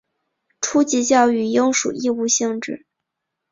初级教育应属义务性质。